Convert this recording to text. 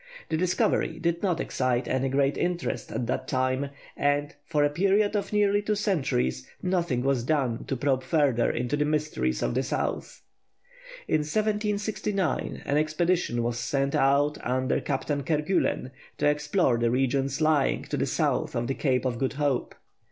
The discovery did not excite any great interest at the time, and, for a period of nearly two centuries, nothing was done to probe further into the mysteries of the South. In 1769 an expedition was sent out under Captain Kerguellen to explore the regions lying to the south of the Cape of Good Hope.